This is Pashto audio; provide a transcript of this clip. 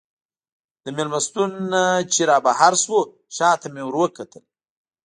له مېلمستون نه چې رابهر شوو، شا ته مې وروکتل.